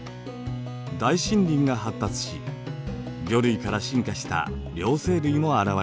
大森林が発達し魚類から進化した両生類も現れました。